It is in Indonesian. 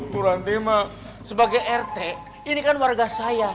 buranti mah sebagai rt ini kan warga saya